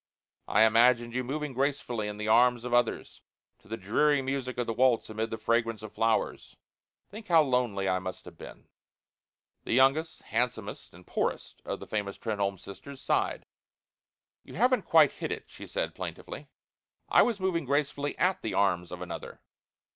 I imagined you moving gracefully in the arms of others to the dreamy music of the waltz amid the fragrance of flowers. Think how lonely I must have been!" The youngest, handsomest, and poorest of the famous Trenholme sisters sighed. "You haven't quite hit it," she said, plaintively. "I was moving gracefully at the arms of another.